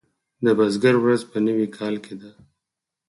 د بزګر ورځ په نوي کال کې ده.